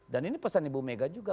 dan ini pesan ibu mega juga